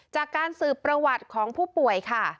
จากการสืบประวัติของผู้ป่วยค่ะ